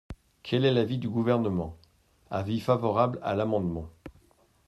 Quel est l’avis du Gouvernement ? Avis favorable à l’amendement.